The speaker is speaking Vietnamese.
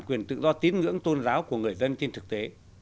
quyền tự do tín ngưỡng tôn giáo của người dân trên thực tế